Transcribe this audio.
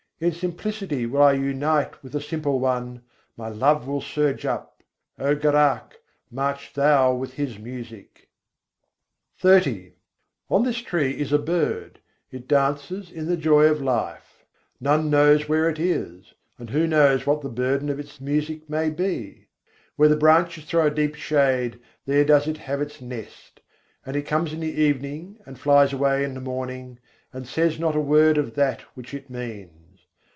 In simplicity will I unite with the Simple One; my love will surge up. O Gorakh, march thou with His music!" XXX II. 95. yâ tarvar men ek pakherû On this tree is a bird: it dances in the joy of life. None knows where it is: and who knows what the burden of its music may be? Where the branches throw a deep shade, there does it have its nest: and it comes in the evening and flies away in the morning, and says not a word of that which it means.